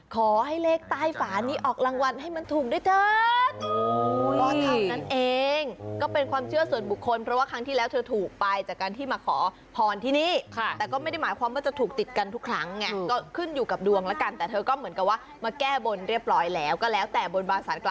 ขอให้เลขใต้ฝานี้ออกรางวัลให้มันถูกด้วยเถิด